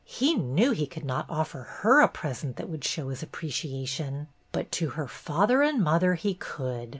He knew he could not offer her a present that would show his apprecia tion, but to her father and mother he could.